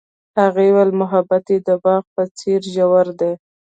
هغې وویل محبت یې د باغ په څېر ژور دی.